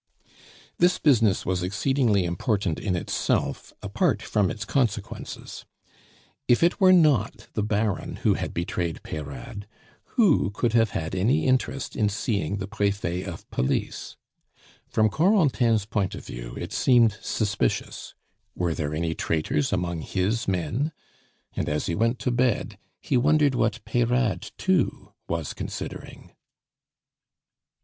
This business was exceedingly important in itself, apart from its consequences. If it were not the Baron who had betrayed Peyrade, who could have had any interest in seeing the Prefet of Police? From Corentin's point of view it seemed suspicious. Were there any traitors among his men? And as he went to bed, he wondered what Peyrade, too, was considering.